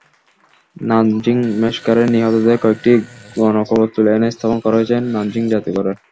Nanjing ম্যাসাকারে নিহতদের কয়েকটি গণকবর তুলে এনে স্থাপন করা হয়েছে নানজিং জাদুঘরে।